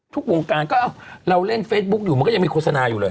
ทุกวงการก็เราเล่นเฟซบุ๊คอยู่มันก็ยังมีโฆษณาอยู่เลย